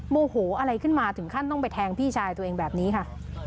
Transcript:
โมโหอะไรขึ้นมาถึงขั้นต้องไปแทงพี่ชายตัวเองแบบนี้ค่ะ